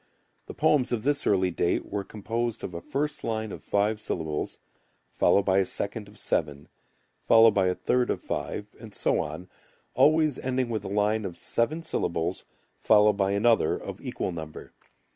The poems of this early date were composed of a first line of five syllables, followed by a second of seven, followed by a third of five, and so on, always ending with a line of seven syllables followed by another of equal number.